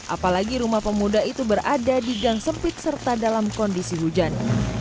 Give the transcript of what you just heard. apalagi rumah pemuda itu berada di gang sempit serta dalam kondisi hujan